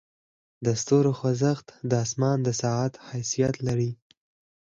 د ستورو خوځښت د اسمان د ساعت حیثیت لري.